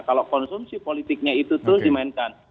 kalau konsumsi politiknya itu terus dimainkan